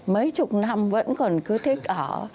mấy chục năm vẫn còn cứ thích ở